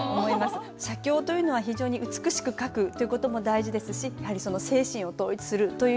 写経というのは非常に美しく書くという事も大事ですしやはりその精神を統一するという意味ではね